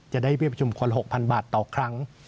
จะได้เรียกประชุมคน๖๐๐๐บาทต่อครั้ง